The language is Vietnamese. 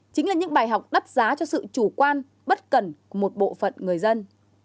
chính là những bài học đắt giá cho sự chủ quan bất cẩn của một bộ phận người dân